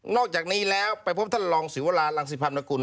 อกจากนี้แล้วไปพบท่านรองศิวรารังสิพันธุล